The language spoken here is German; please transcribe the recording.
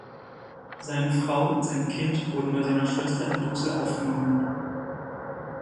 Seine Frau und sein Kind wurden bei seiner Schwester in Brüssel aufgenommen.